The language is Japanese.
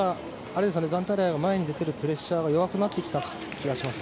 ザンタラヤが前に出ているプレッシャーが弱くなってきてきた気がします。